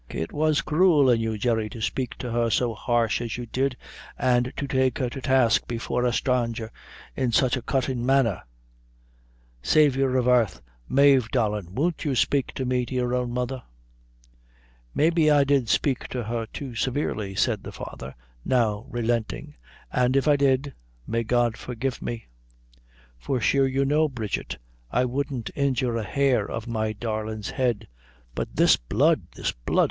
It was cruel in you, Jerry, to spake to; her so harsh as you did, an' to take her to task before a sthranger in such a cuttin' manner. Saiver of Airth, Mave, darlin', won't you spake to me, to your own mother?"' "Maybe I did spake to her too severely," said the father, now relenting, "an' if I did, may God forgive me; for sure you know, Bridget, I wouldn't injure a hair of my darlin's head. But this blood! this blood!